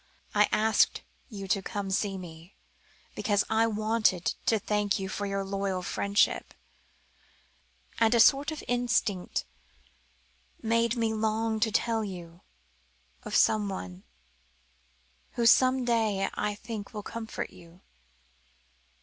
"I asked you to come to see me, because I wanted to thank you for your loyal friendship and a sort of instinct made me long to tell you of someone who some day I think will comfort you."